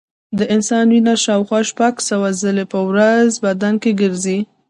د انسان وینه شاوخوا شپږ سوه ځلې په ورځ بدن ګرځي.